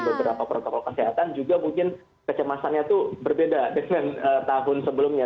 beberapa protokol kesehatan juga mungkin kecemasannya itu berbeda dengan tahun sebelumnya